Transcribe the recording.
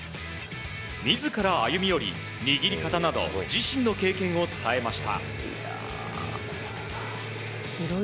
自ら歩み寄り、握り方など自身の経験を伝えました。